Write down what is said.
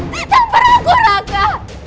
jangan berlaku raka